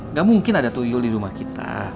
nggak mungkin ada toyol di rumah kita